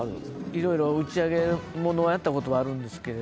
いろいろ打ち上げものはやったことはあるんですけれど。